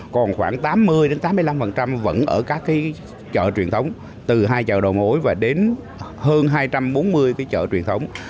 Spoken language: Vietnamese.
còn khoảng tám mươi tám mươi năm vẫn ở các chợ truyền thống từ hai chợ đầu mối và đến hơn hai trăm bốn mươi cái chợ truyền thống